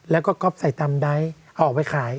แล้วก็ก๊อปใส่ตำไดท์เอาออกไปขาย